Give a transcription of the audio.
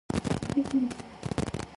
It also has some clubs and societies.